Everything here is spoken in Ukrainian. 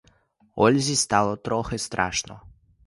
Ользі стало трохи страшно.